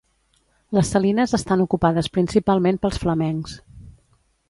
Les salines estan ocupades principalment pels flamencs.